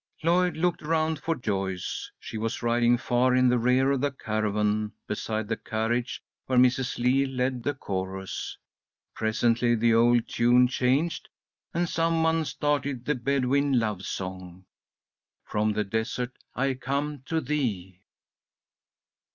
Lloyd looked around for Joyce. She was riding far in the rear of the caravan, beside the carriage where Mrs. Lee led the chorus. Presently the old tune changed, and some one started the Bedouin love song, "From the desert I come to thee."